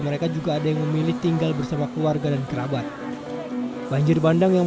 mereka juga ada yang memilih tinggal bersama keluarga dan kerabat banjir bandang yang